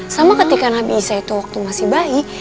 sama ketika nabi isa itu waktu masih bayi